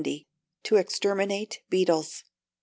To Exterminate Beetles.